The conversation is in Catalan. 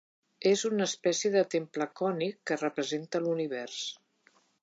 És una espècie de temple cònic que representa l'Univers.